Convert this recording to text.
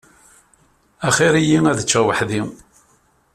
Axir-iyi ad ččeɣ weḥd-i.